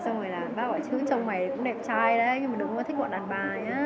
xong rồi là bác gọi chứ trông mày cũng đẹp trai đấy nhưng mà đúng là thích bọn đàn bà nhá